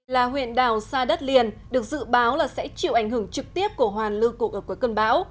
là huyện đảo xa đất liền được dự báo là sẽ chịu ảnh hưởng trực tiếp của hoàn lưu cục ở cuối cơn bão